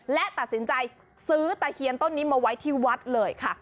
และตัดสินใจซื้อตะเคียนต้นนี้มาไว้ที่วัดเลยค่ะ